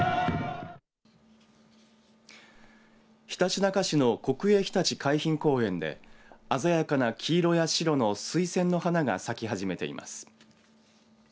ひたちなか市の国営ひたち海浜公園で鮮やかな黄色や白のスイセンの花が咲き始めています。